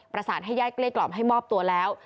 ประสานให้ญาติเกลี้กล่อมให้มอบตัวแล้ว